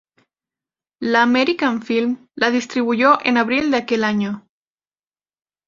La American Film la distribuyó en abril de aquel año.